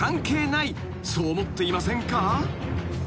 ［そう思っていませんか？］